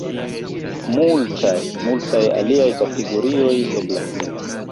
Multaj, multaj aliaj kategorioj eblas.